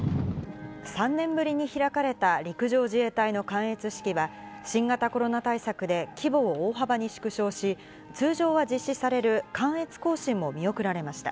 ３年ぶりに開かれた陸上自衛隊の観閲式は、新型コロナ対策で、規模を大幅に縮小し、通常は実施される観閲行進も見送られました。